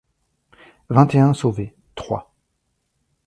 Vingt et un sauvés. — trois.